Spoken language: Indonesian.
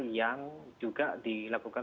yang juga dilakukan